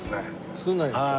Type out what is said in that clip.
作んないんですか。